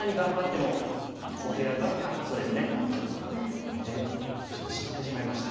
これで白死んでしまいました。